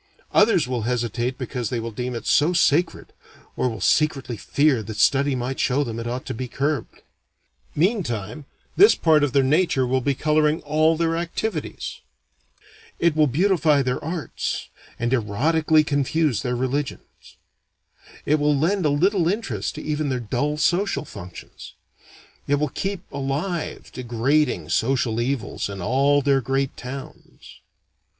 Others will hesitate because they will deem it so sacred, or will secretly fear that study might show them it ought to be curbed. Meantime, this part of their nature will be coloring all their activities. It will beautify their arts, and erotically confuse their religions. It will lend a little interest to even their dull social functions. It will keep alive degrading social evils in all their great towns.